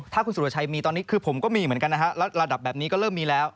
ถ้าคุณสุรชัยมีตอนนี้คือผมก็มีเหมือนกันนะฮะแล้วระดับแบบนี้ก็เริ่มมีแล้ว